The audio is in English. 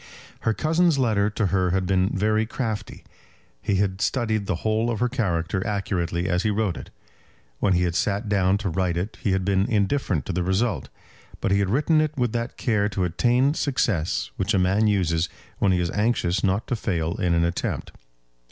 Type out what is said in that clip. Her cousin's letter to her had been very crafty. He had studied the whole of her character accurately as he wrote it. When he had sat down to write it he had been indifferent to the result; but he had written it with that care to attain success which a man uses when he is anxious not to fail in an attempt.